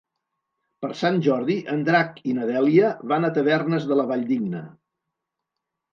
Per Sant Jordi en Drac i na Dèlia van a Tavernes de la Valldigna.